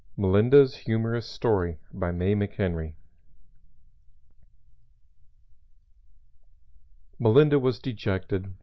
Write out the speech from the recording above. ] MELINDA'S HUMOROUS STORY BY MAY McHENRY Melinda was dejected.